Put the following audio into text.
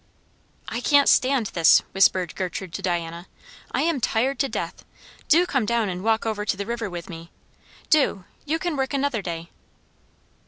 "I can't stand this," whispered Gertrude to Diana; "I am tired to death. Do come down and walk over to the river with me. Do! you can work another day."